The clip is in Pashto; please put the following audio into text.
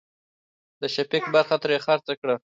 د شفيق برخه ترې خرڅه کړه.